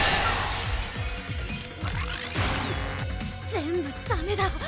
全部ダメだ！